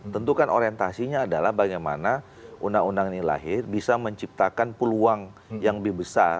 tentu kan orientasinya adalah bagaimana undang undang ini lahir bisa menciptakan peluang yang lebih besar